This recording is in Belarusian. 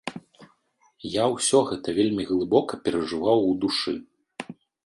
Я ўсё гэта вельмі глыбока перажываў у душы.